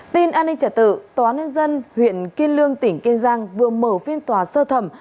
tin an ninh trả tự tòa nhân dân huyện kiên lương tỉnh kiên giang vừa mở phiên tòa sơ thẩm